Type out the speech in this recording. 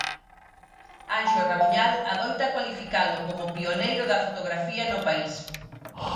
Anxo Rabuñal adoita cualificalo como "pioneiro da fotografía no país".